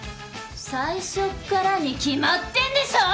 最初からに決まってるでしょ！